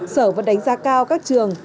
sở vẫn đánh giá cao các trường